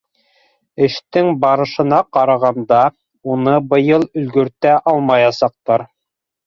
Эштең барышына ҡарағанда, уны быйыл өлгөртә алмаясаҡтар.